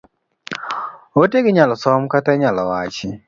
Ote gi inyalo som kata inyalo wachi.